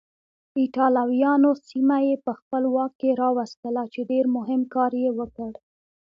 ایټالویانو سیمه یې په خپل واک کې راوستله چې ډېر مهم کار یې وکړ.